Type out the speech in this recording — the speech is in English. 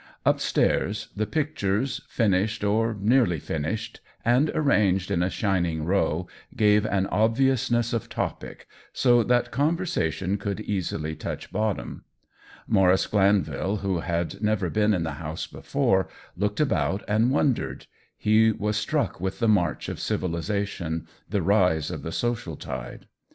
Upstairs the pictures, finished or nearly finished, and arranged in a shining row, gave an obvious ness of topic, so that conversation could easily touch bottom. Maurice Glanvil, who had never been in the house before, looked about and wondered; he was struck with the march of civilization — the rise of the social tide.